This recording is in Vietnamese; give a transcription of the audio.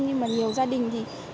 nhưng mà nhiều gia đình thì